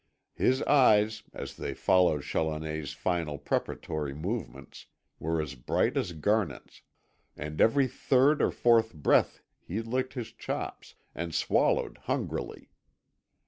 His eyes, as they followed Challoner's final preparatory movements, were as bright as garnets, and every third or fourth breath he licked his chops, and swallowed hungrily.